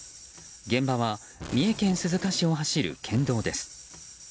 現場は三重県鈴鹿市を走る県道です。